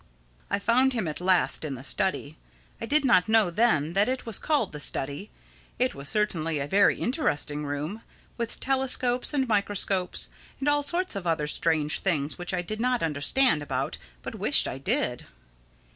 I found him at last in the Study. I did not know then that it was called the Study. It was certainly a very interesting room, with telescopes and microscopes and all sorts of other strange things which I did not understand about but wished I did.